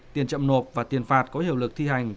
tiền chậm nộp và tiền phạt có hiệu lực thi hành